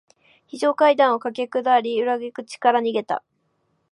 非常階段を駆け下り、裏口から逃げた。